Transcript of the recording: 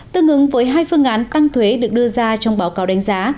tương ứng với hai phương án tăng thuế được đưa ra trong báo cáo đánh giá